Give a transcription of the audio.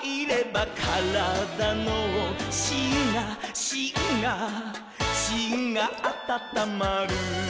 「しんがしんがしんがあたたまる」